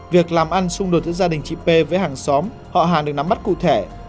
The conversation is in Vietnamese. việc làm ăn xung đột giữa gia đình chị p với hàng xóm họ hàng được nắm mắt cụ thể